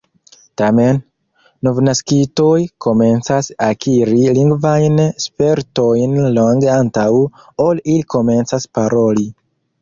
Tamen, novnaskitoj komencas akiri lingvajn spertojn longe antaŭ ol ili komencas paroli.